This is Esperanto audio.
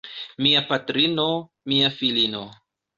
Mia patrino, mia filino.